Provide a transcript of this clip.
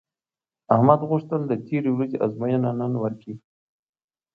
احمد غوښتل د تېرې ورځې ازموینه نن ورکړي